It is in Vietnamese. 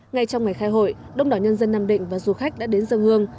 ngay trong ngày khai hội đông đảo nhân dân nam định và du khách đã đến dân hương